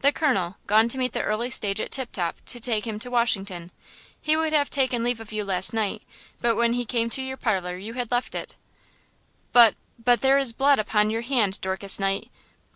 "The colonel, gone to meet the early stage at Tip Top, to take him to Washington. He would have taken leave of you last night, but when he came to your parlor you had left it." "But–but–there is blood upon your hand, Dorcas Knight!"